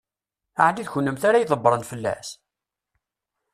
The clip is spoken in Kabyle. Ɛni d kennemti ara ydebbṛen fell-as?